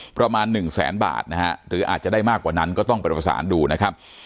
ประมาณหนึ่งแสนบาทนะฮะหรืออาจจะได้มากกว่านั้นก็ต้องไปประสานดูนะครับ